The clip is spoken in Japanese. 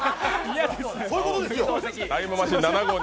そういうことですよ！